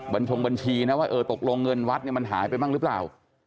ชงบัญชีนะว่าเออตกลงเงินวัดเนี่ยมันหายไปบ้างหรือเปล่า